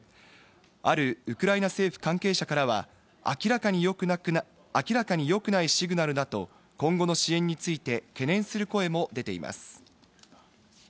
あるウクライナ政府関係者からは、明らかによくないシグナルだと、今後の支援について懸念する声も出ています。